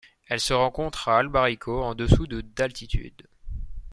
Elle se rencontre à Albarico en dessous de d'altitude.